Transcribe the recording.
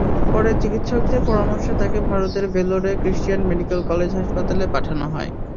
পরে চিকিৎসকদের পরামর্শে তাঁকে ভারতের ভেলোরে ক্রিশ্চিয়ান মেডিকেল কলেজ হাসপাতালে পাঠানো হয়।